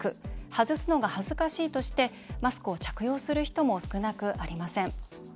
はずすのが恥ずかしいとしてマスクを着用する人も少なくありません。